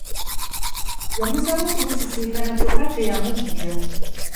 Yamusaba okumusisinkana kyokka teyamuddira .